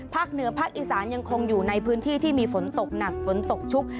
เหนือภาคอีสานยังคงอยู่ในพื้นที่ที่มีฝนตกหนักฝนตกชุก